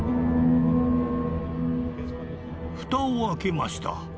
蓋を開けました。